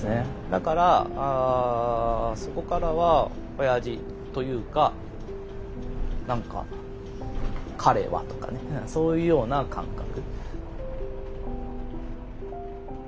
だからそこからはおやじというか何か彼はとかねそういうような感覚。